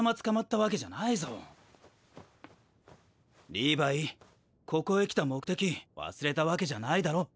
リヴァイここへ来た目的忘れたわけじゃないだろ？